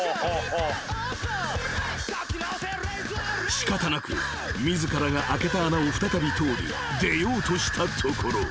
［仕方なく自らが開けた穴を再び通り出ようとしたところ］